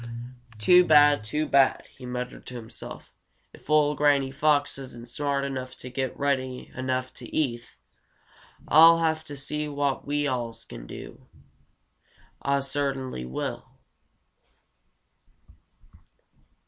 "Too bad! Too bad!" he muttered to himself. "If ol' Granny Fox isn't smart enough to get Reddy enough to eat, Ah'll have to see what we alls can do. Ah cert'nly will."